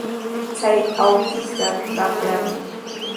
Chay awkishqa qaprami.